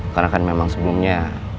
karena kan memang sebelumnya